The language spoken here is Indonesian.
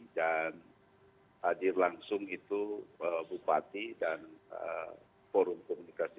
dan hadir langsung itu bupati dan forum komunikasi